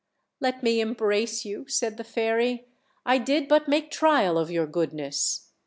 ''Let me embrace you," said the fairy; "I did but make trial of your goodness.